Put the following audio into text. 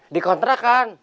di kontra kan